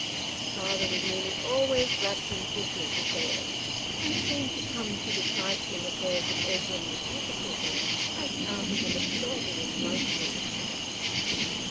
His father was nearly always wrapped in business affairs, and seemed to come to the trifling affairs of Edwin with difficulty, as out of an absorbing engrossment.